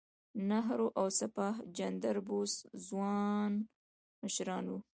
نهرو او سبهاش چندر بوس ځوان مشران وو.